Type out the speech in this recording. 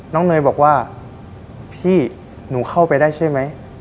เนยบอกว่าพี่หนูเข้าไปได้ใช่ไหม